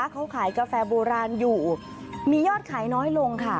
เขาขายกาแฟโบราณอยู่มียอดขายน้อยลงค่ะ